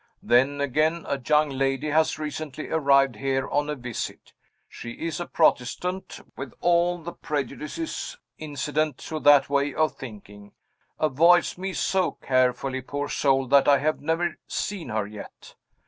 Then, again, a young lady has recently arrived here on a visit. She is a Protestant, with all the prejudices incident to that way of thinking avoids me so carefully, poor soul, that I have never seen her yet.